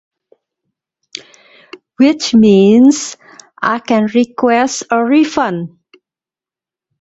Which means I can request a refund.